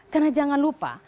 karena jangan lupa